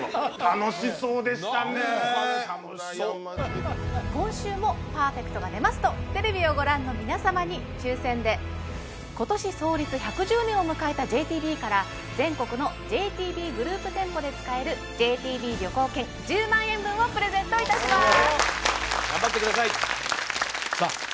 楽しそう今週もパーフェクトが出ますとテレビをご覧の皆様に抽選で今年創立１１０年を迎えたＪＴＢから全国のＪＴＢグループ店舗で使えるＪＴＢ旅行券１０万円分をプレゼントいたします頑張ってくださいさあ